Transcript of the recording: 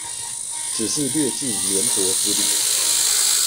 只是略盡棉薄之力